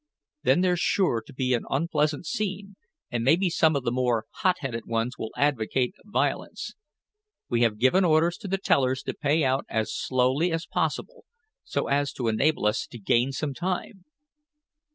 Then there's sure to be an unpleasant scene, and maybe some of the more hot headed ones will advocate violence. We have given orders to the tellers to pay out as slowly as possible, so as to enable us to gain some time."